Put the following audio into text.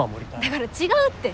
だから違うって！